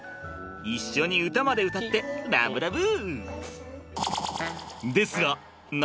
一緒に歌まで歌ってラブラブ。